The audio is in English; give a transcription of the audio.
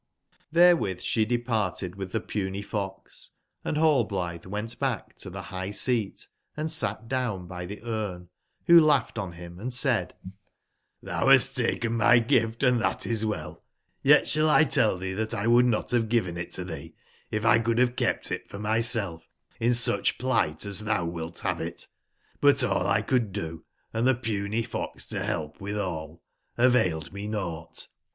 [neReOlirn sbe departed witb tbe puny fox, & Hallblitbe went bach to tbe bigb/seat and sat down by tbe Srne, wbo laugbed on bim and said: *Xbou bast taken my gift, and tbat is well: yet sball 1 tell tbee tbat 1 would not bave given it to tbee if X could bave kept it for myself in sucb pligbt as tbou wilt bave it. But all t could do, and tbe puny fox to belp witbal, availedmenougbt.